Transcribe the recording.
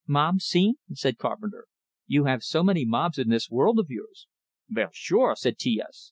"Mob scene?" said Carpenter. "You have so many mobs in this world of yours!" "Vell, sure," said T S.